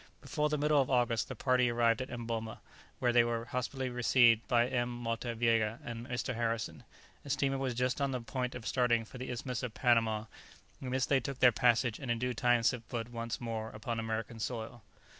Before the middle of August the party arrived at Emboma, where they were hospitably received by M. Motta Viega and Mr. Harrison. A steamer was just on the point of starting for the Isthmus of Panama; in this they took their passage, and in due time set foot once more upon American soil.